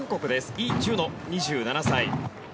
イ・ジュノ、２７歳。